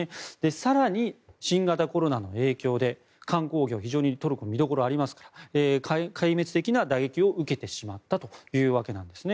更に、新型コロナの影響で観光業が非常にトルコは見どころがありますから壊滅的な打撃を受けてしまったというわけなんですね。